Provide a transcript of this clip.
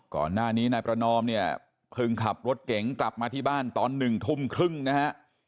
ก่อนหน้านี้นายประนอมเนี่ยเพิ่งขับรถเก๋งกลับมาที่บ้านตอน๑ทุ่มครึ่งนะฮะ